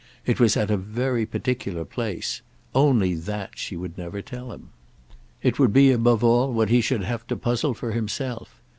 It was at a very particular place—only that she would never tell him; it would be above all what he should have to puzzle for himself.